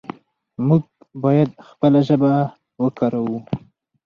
موږ باید خپله ژبه وکاروو.